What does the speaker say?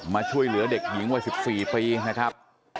มาช่วยเหลือเด็กหญิงวัย๑๔ปีนะครับ